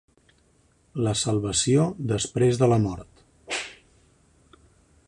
La salvació després de la mort.